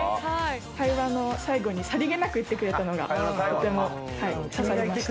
会話の最後にさりげなく言ってくれたのがとても刺さりました。